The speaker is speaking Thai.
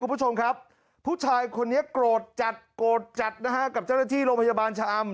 คุณผู้ชมครับผู้ชายคนนี้โกรธจัดโกรธจัดนะฮะกับเจ้าหน้าที่โรงพยาบาลชะอำ